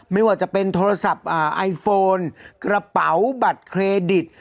ไม่ว่าจะเป็นโทรศัพท์ไอโฟนกระเป๋าบัตรเครดิต